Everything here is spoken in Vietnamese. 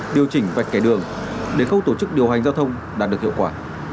điều chỉnh vạch kẻ đường để khâu tổ chức điều hành giao thông đạt được hiệu quả